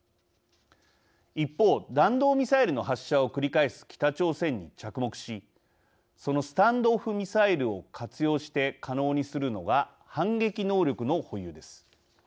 一方弾道ミサイルの発射を繰り返す北朝鮮に着目しそのスタンド・オフ・ミサイルを活用して可能にするのが反撃能力の保有です。